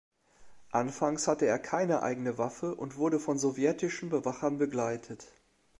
Anfangs hatte er keine eigene Waffe und wurde von sowjetischen Bewachern begleitet.